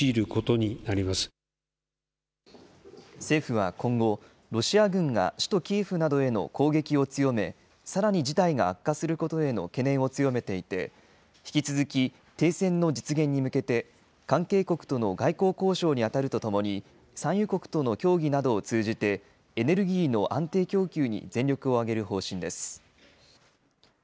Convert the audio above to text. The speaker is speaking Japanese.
政府は今後、ロシア軍が首都キエフなどへの攻撃を強め、さらに事態が悪化することへの懸念を強めていて、引き続き、停戦の実現に向けて、関係国との外交交渉に当たるとともに、産油国との協議などを通じて、エネルギーの安定供給に全力を挙げる方針です。